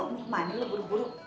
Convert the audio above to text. mau mandi lu buru buru